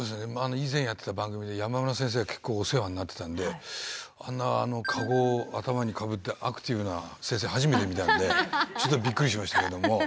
以前やってた番組で山村先生結構お世話になってたんであんなかごを頭にかぶってアクティブな先生初めて見たのでちょっとびっくりしましたけども。